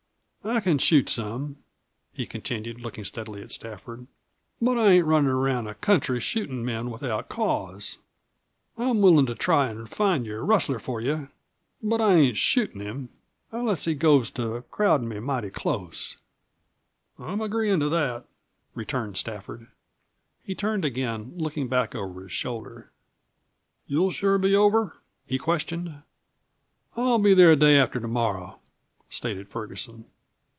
I c'n shoot some," he continued, looking steadily at Stafford, "but I ain't runnin' around the country shootin' men without cause. I'm willin' to try an' find your rustler for you, but I ain't shootin' him unless he goes to crowdin' me mighty close." "I'm agreein' to that," returned Stafford. He turned again, looking back over his shoulder. "You'll sure be over?" he questioned. "I'll be there the day after to morrow," stated Ferguson.